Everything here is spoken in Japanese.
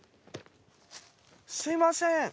すみません。